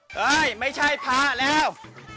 เฮ้ยไม่ใช่พาแล้ว